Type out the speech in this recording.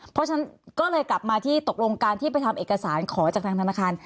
เพราะฉะนั้นก็เลยกลับมาที่ตกลงการที่ไปทำเอกสารขอจากทางธนาคาร